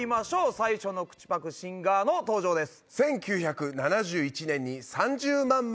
最初の口ぱくシンガーの登場です。